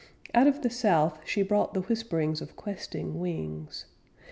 Out of the south She brought the whisperings Of questing wings.